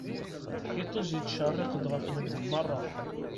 Iṭij ittcerriq-d ɣef medden merra.